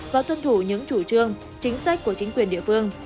và tuân thủ những chủ trương chính sách của chính quyền địa phương